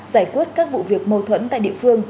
giải quyết các vụ việc mâu thuẫn tại địa phương